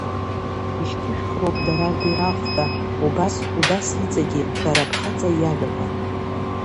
Ишьҭышәхроуп дара рбираҟ ҳәа, убас убас иҵегьы, бара бхаҵа иажәақәа.